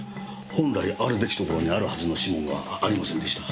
本来あるべき所にあるはずの指紋がありませんでした。